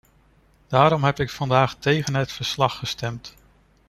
Daarom heb ik vandaag tegen het verslag gestemd.